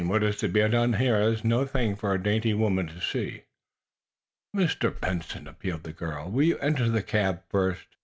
What is to be done here is no thing for a dainty woman to see." "Mr. Benson," appealed the girl, "will you enter the cab first?"